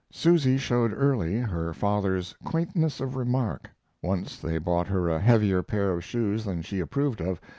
Susy showed early her father's quaintness of remark. Once they bought her a heavier pair of shoes than she approved of.